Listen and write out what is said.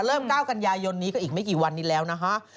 ๙กันยายนนี้ก็อีกไม่กี่วันนี้แล้วนะฮะ